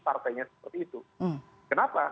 partainya seperti itu kenapa